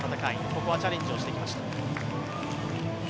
ここはチャレンジをしてきました。